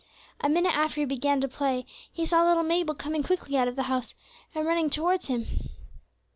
A minute after he began to play he saw little Mabel coming quickly out of the house and running towards him.